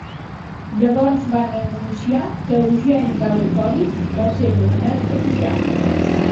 Llavors van anunciar que Eugene Galekovic va ser nomenat capità.